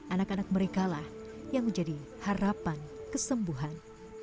anak anak mereka lah yang menjadi harapan kesembuhan